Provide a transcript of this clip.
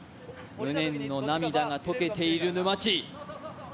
無念の涙が溶けている沼地。